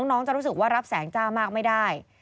น้องจะรู้สึกว่ารับแสงจ้ามากไม่ได้